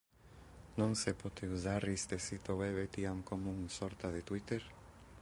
Non se pote usar iste sito web etiam como un sorta de Twitter?